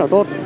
rất là tốt